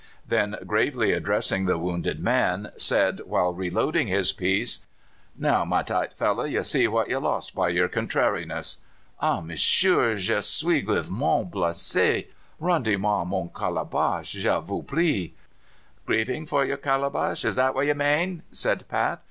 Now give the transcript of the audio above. Then, gravely addressing the wounded man, said, while reloading his piece: "Now, my tight fellow, ye see what ye lost by your contrariness." "Ah! monsieur, je suis grievement blessé: rendez moi mon calabash, je vous prie." "Grieving for your calabash! Is that what you mane?" said Pat.